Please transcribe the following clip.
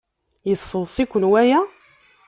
Yesseḍs-iken waya?